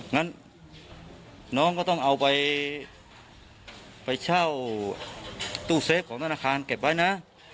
งั้นน้องก็ต้องเอาไปเช่าตู้เซฟของธนาคารเก็บไว้นะ